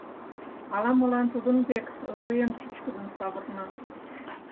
Ала-молан тудын век вуем чӱчкыдын савырна.